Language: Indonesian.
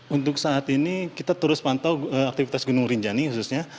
untuk saat ini kita terus pantau aktivitas gunung rinjani khususnya